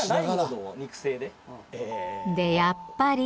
で、やっぱり。